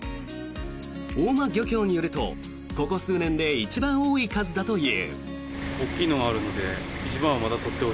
大間漁協によるとここ数年で一番多い数だという。